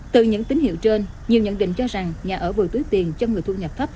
từ những tín hiệu trên nhiều nhận định cho rằng nhà ở vừa túi tiền cho người thu nhập thấp